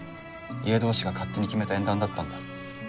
家同士が勝手に決めた縁談だったんだ。